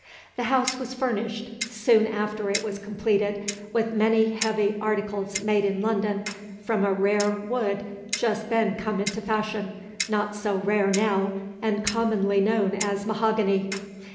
The house was furnished, soon after it was completed, with many heavy articles made in London from a rare wood just then come into fashion, not so rare now, and commonly known as mahogany.